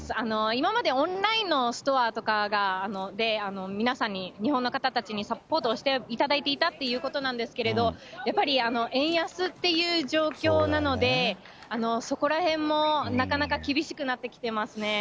今までオンラインのストアとかで、皆さんに、日本の方たちにサポートしていただいていたということなんですけれども、やっぱり円安っていう状況なので、そこらへんもなかなか厳しくなってきてますね。